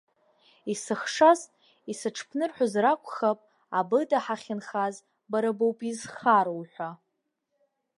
Исыхшаз исаҽԥнырҳәозар акәхап, абыда ҳахьынхаз бара боуп изхароу ҳәа.